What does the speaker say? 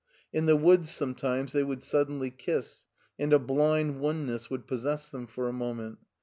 In the woods sometimes they would suddenly Idss, and a blind oneness would possess them for a moment.